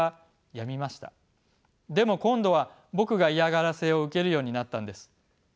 でも今度は僕が嫌がらせを受けるようになったんです。